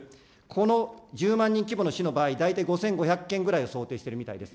この１０万人規模の市の場合、５５００件ぐらいを想定してるみたいです。